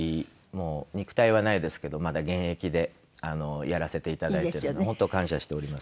もう肉体はないですけどまだ現役でやらせていただいて本当感謝しております。